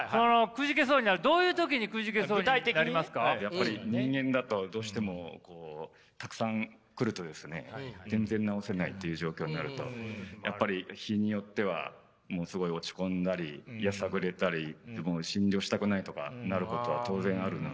やっぱり人間だとどうしてもこうたくさん来るとですね全然治せないという状況になるとやっぱり日によってはもうすごい落ち込んだりやさぐれたりもう診療したくないとかなることは当然あるので。